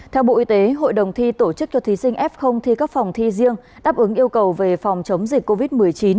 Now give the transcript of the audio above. theo bộ y tế hội đồng thi tổ chức cho thí sinh f thi các phòng thi riêng đáp ứng yêu cầu về phòng chống dịch covid một mươi chín